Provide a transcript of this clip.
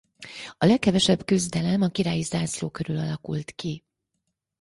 A leghevesebb küzdelem a királyi zászló körül alakult ki.